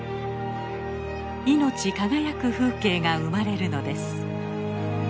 命輝く風景が生まれるのです。